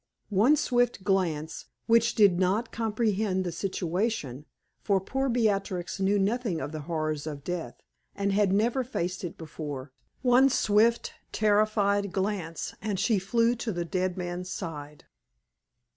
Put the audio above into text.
One swift glance, which did not comprehend the situation for poor Beatrix knew nothing of the horrors of death, and had never faced it before one swift, terrified glance, and she flew to the dead man's side.